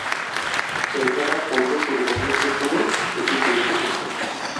এছাড়া পণ্য পরিবহনের জন্যও এটি গুরুত্বপূর্ণ।